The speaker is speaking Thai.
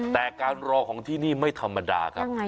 แต่การรอของที่นี่ไม่ธรรมดาครับ